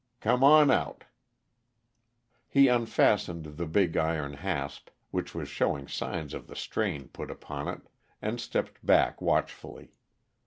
Come on out." He unfastened the big iron hasp, which was showing signs of the strain put upon it, and stepped back watchfully.